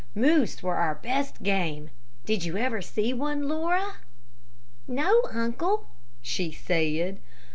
Moose were our best game. Did you ever see one, Laura?" "No, uncle," she said.